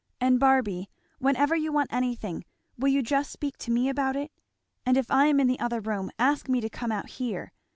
And Barby, whenever you want anything, will you just speak to me about it? and if I am in the other room ask me to come out here.